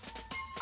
あ。